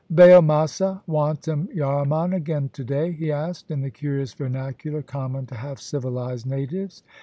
* Ba'al Massa want em yarraman again to day F* he asked, in the curious vernacular common to half civilised natives.